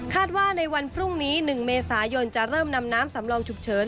ว่าในวันพรุ่งนี้๑เมษายนจะเริ่มนำน้ำสำรองฉุกเฉิน